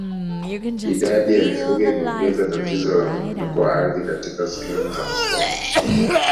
Idadi ya mifugo imeongeza tatizo la mmomonyoko wa ardhi katika sehemu za mkoa